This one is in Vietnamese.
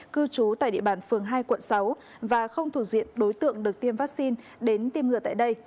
cư trú tại địa bàn phường hai quận sáu và không thuộc diện đối tượng được tiêm vaccine đến tiêm ngừa tại đây